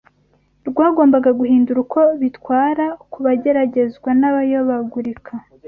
rwagombaga guhindura uko bitwara ku bageragazwa n’abayobagurika